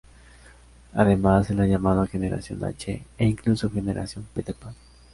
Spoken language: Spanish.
Además, se la ha llamado "generación H" e incluso "generación Peter Pan".